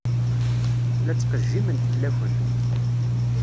La ttqejjiment fell-akent.